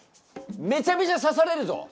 めちゃめちゃ刺されるぞ！